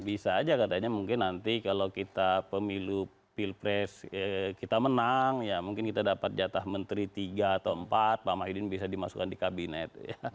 bisa aja katanya mungkin nanti kalau kita pemilu pilpres kita menang ya mungkin kita dapat jatah menteri tiga atau empat pak mahyudin bisa dimasukkan di kabinet